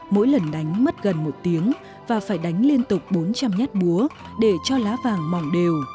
mỗi lần đánh mất gần một tiếng và phải đánh liên tục bốn trăm linh nhát búa để cho lá vàng mỏng đều